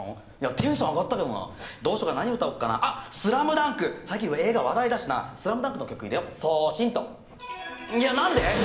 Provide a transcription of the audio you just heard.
テンション上がったけどなどうしよっか何歌おっかなあっ「ＳＬＡＭＤＵＮＫ」最近映画話題だしな「ＳＬＡＭＤＵＮＫ」の曲入れよ送信といや何で？